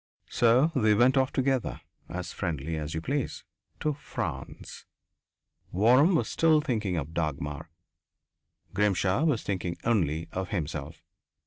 So they went off together, as friendly as you please, to France. Waram was still thinking of Dagmar; Grimshaw was thinking only of himself.